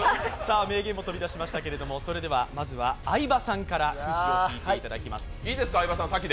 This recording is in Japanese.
名言も飛び出しましたけど、まずは相葉さんからくじを引いていただきます。